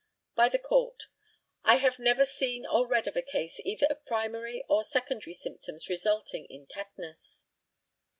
By the COURT: I have never seen or read of a case either of primary or secondary symptoms resulting in tetanus.